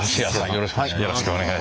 よろしくお願いします。